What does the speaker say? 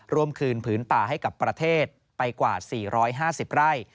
ร่วมคืนผืนป่าให้กับประเทศไปกว่า๔๕๐ไร่